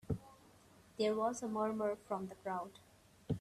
There was a murmur from the crowd.